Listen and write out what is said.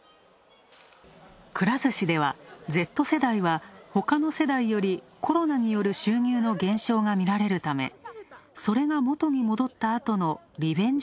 くら寿司ではＺ世代は他の世代よりコロナによる収入の減少がみられるため、それが元に戻った後のリベンジ